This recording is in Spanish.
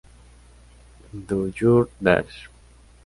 Do You Dare?